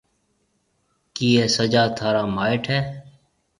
ڪِي اَي سجا ٿارا مائيٽ هيَ؟